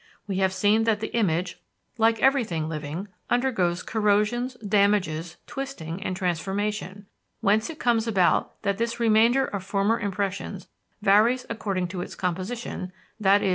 We have seen that the image, like everything living, undergoes corrosions, damages, twisting, and transformation: whence it comes about that this remainder of former impressions varies according to its composition, i.e.